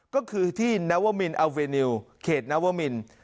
ก็คือที่นัวมินอัเวนิวเขตนวมิน